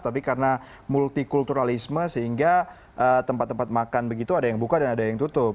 tapi karena multikulturalisme sehingga tempat tempat makan begitu ada yang buka dan ada yang tutup